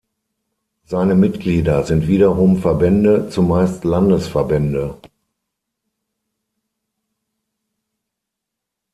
Seine Mitglieder sind wiederum Verbände, zumeist Landesverbände.